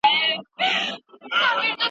حکومت باید د اقتصادي تعاون زمینه برابره کړي.